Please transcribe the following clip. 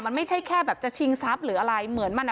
มันไม่ใช่แค่แบบจะชิงทรัพย์หรืออะไรเหมือนมัน